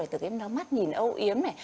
từ cái mắt nhìn âu yếm này